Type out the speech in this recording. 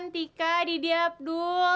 tika didi abdul